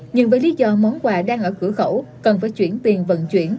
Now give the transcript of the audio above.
nhưng với lý do món quà đang ở cửa khẩu cần phải chuyển tiền vận chuyển